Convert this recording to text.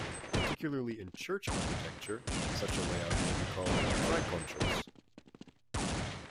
Particularly in church architecture, such a layout may be called a "triconchos".